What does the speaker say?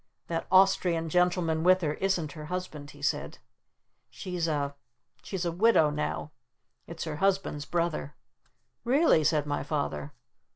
"That Austrian gentlemen with her isn't her Husband," he said. "She's a she's a widow now. It's her Husband's brother." "Really?" said my Father.